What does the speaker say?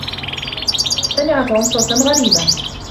سمع توم صوتا غريبا.